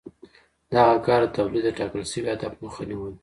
دغه کار د تولید د ټاکل شوي هدف مخه نیوله.